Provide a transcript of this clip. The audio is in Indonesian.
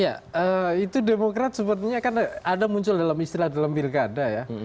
ya itu demokrat sepertinya kan ada muncul dalam istilah dalam pilkada ya